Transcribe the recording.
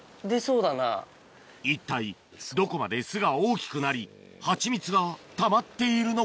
一体どこまで巣が大きくなりハチミツがたまっているのか？